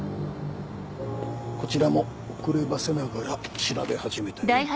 こちらも遅ればせながら調べ始めたよ。